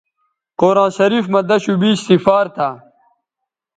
قرآن شریف مہ دشوبیش سفار تھا